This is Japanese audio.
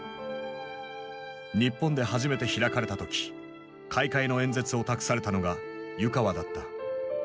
日本で初めて開かれた時開会の演説を託されたのが湯川だった。